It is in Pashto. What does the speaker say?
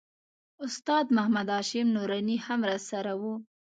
استاد محمد هاشم نوراني هم راسره و.